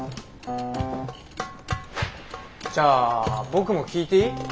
じゃあ僕も聞いていい？